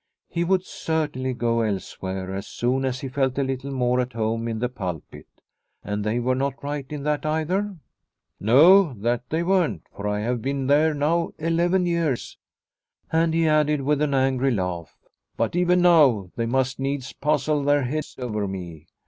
He would cer tainly go elsewhere as soon as he felt a little more at home in the pulpit. " And they were not right in that either ?"" No, that they weren't, for I have been there now eleven years/' And he added with an angry laugh, " But even now they must needs puzzle their heads over me.